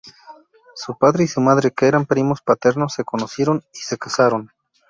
Su padre y su madre que eran primos paternos se conocieron y se casaron.